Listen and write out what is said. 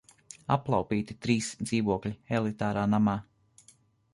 Aplaupīti trīs dzīvokļi elitārā namā!